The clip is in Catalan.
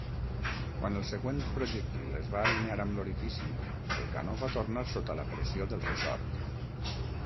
Quan el següent projectil es va alinear amb l'orifici, el canó va tornar sota la pressió del ressort.